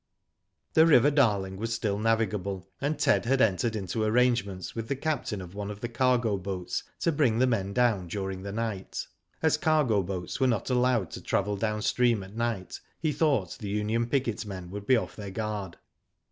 The River Darling was still navigable, and Ted had entered into arrangements with the captain of one of the cargo boats to bring the men down during the night. As cargo boats were not allowed to travel dow^n stream at night he thought the union picket men would be off their guard.